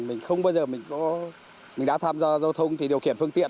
mình không bao giờ mình có mình đã tham gia giao thông thì điều khiển phương tiện